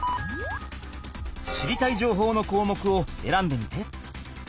知りたいじょうほうのこうもくをえらんでみて。